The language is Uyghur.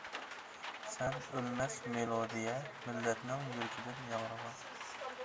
سەن ئۆلمەس مېلودىيە مىللەتنىڭ يۈرىكىدىن ياڭرىغان.